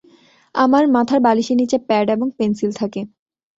আমার মাথার বালিশের নিচে প্যাড এবং পেনসিল থাকে।